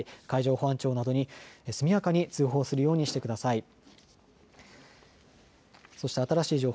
海上保安庁などに速やかに通報するようにしてください。